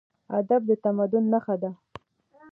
ادب د تمدن نښه ده.